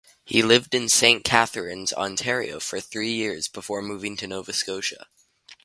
He lived in Saint Catharines, Ontario, for three years before moving to Nova Scotia.